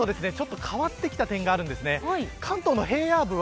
ただ昨日と変わってきた点があるんですね。